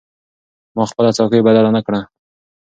ما خپله څوکۍ بدله نه کړه.